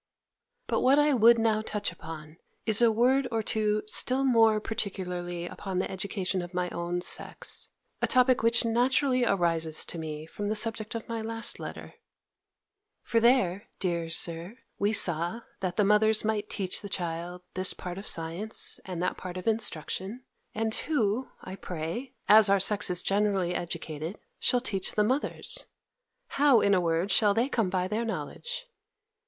But what I would now touch upon, is a word or two still more particularly upon the education of my own sex; a topic which naturally arises to me from the subject of my last letter. For there, dear Sir, we saw, that the mothers might teach the child this part of science, and that part of instruction; and who, I pray, as our sex is generally educated, shall teach the mothers? How, in a word, shall they come by their knowledge?